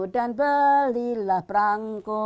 dan belilah perangko